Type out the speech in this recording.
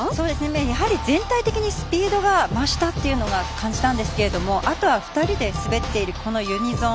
やはり全体的にスピードが増したということを感じたんですけれどもあとは２人で滑っているユニゾン。